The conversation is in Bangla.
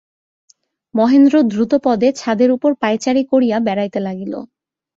মহেন্দ্র দ্রুতপদে ছাদের উপর পায়চারি করিয়া বেড়াইতে লাগিল।